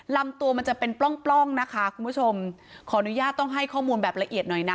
ลำตัวมันจะเป็นปล้องปล้องนะคะคุณผู้ชมขออนุญาตต้องให้ข้อมูลแบบละเอียดหน่อยนะ